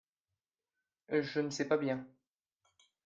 je ne sais pas bien.